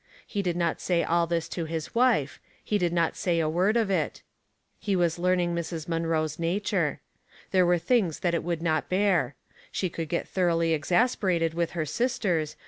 He did not say all this to his wife ; he did not say a word of it. He was learning Mrs. Munroe's nature. There were things that it would not bear. She could get thoroughly exasperated with her sisters.